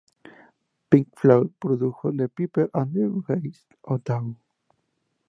Pink Floyd produjo "The Piper at the Gates of Dawn".